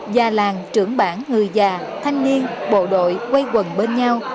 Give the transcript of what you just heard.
già làng trưởng bản người già thanh niên bộ đội quay quần bên nhau